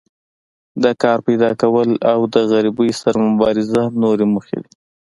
د کار پیداکول او د غریبۍ سره مبارزه نورې موخې دي.